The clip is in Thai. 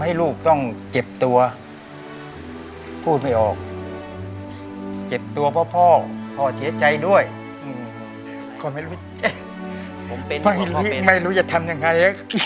ไม่รู้จะทำยังไง